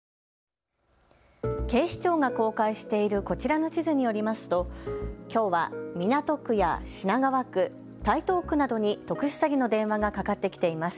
警視庁が公開しているこちらの地図によりますときょうは港区や品川区、台東区などに特殊詐欺の電話がかかってきています。